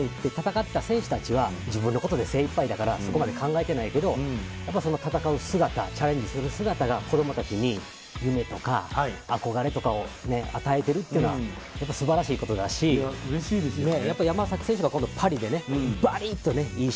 アテネで戦った選手たちは自分のことで精いっぱいだから、そこまで考えていないけど、戦う姿、チャレンジする姿が子供たちに夢とか憧れとかを与えているっていうのは素晴らしいことだし、山崎選手が今度パリでバリっとね。